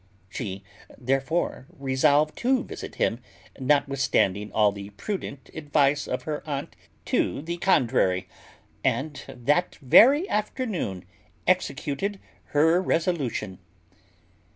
She, therefore, resolved to visit him, notwithstanding all the prudent advice of her aunt to the contrary, and that very afternoon executed her resolution.